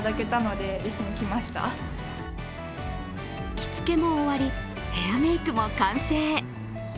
着付けも終わりヘアメイクも完成。